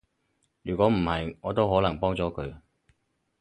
如果唔係，我都可能幫咗佢